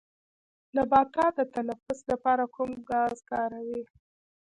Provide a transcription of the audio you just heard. نباتات د تنفس لپاره کوم ګاز کاروي